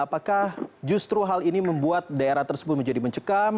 apakah justru hal ini membuat daerah tersebut menjadi mencekam